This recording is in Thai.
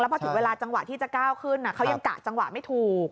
พอถึงเวลาจังหวะที่จะก้าวขึ้นเขายังกะจังหวะไม่ถูก